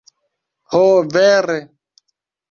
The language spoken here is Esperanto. Ho, vere.